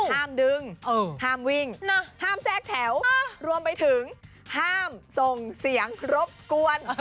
ห้ามดึงห้ามวิ่งห้ามแทรกแถวรวมไปถึงห้ามส่งเสียงครบกวน